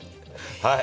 はい。